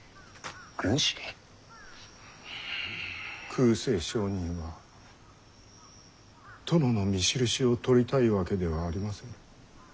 空誓上人は殿の御首級を取りたいわけではありませぬ。